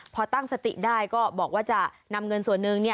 พอตั้งสติได้ก็บอกว่าจะนำเงินส่วนหนึ่ง